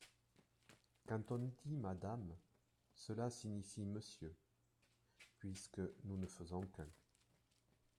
Quand on dit madame… cela signifie monsieur, puisque nous ne faisons qu’un.